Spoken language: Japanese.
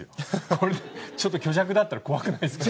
これでちょっと虚弱だったら怖くないですか。